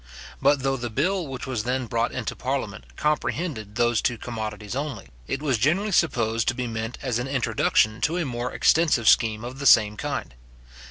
But though the bill which was then brought into Parliament, comprehended those two commodities only, it was generally supposed to be meant as an introduction to a more extensive scheme of the same kind.